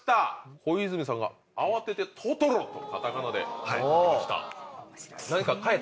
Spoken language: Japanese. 小泉さんが慌てて『トトロ』とカタカナで書きました。